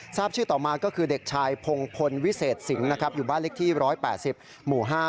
ทราบชื่อต่อมาก็คือเด็กชายพงพลวิเศษสิงห์อยู่บ้านเล็กที่๑๘๐หมู่๕